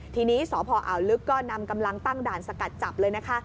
ทีนี้สพอ่าวลึกก็นำกำลังตั้งด่านสกัดจับเลยนะคะ